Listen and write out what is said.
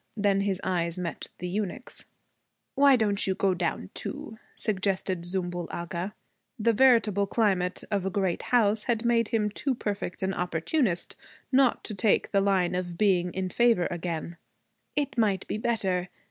Then his eyes met the eunuch's. 'Why don't you go down too?' suggested Zümbül Agha. The variable climate of a great house had made him too perfect an opportunist not to take the line of being in favor again. 'It might be better.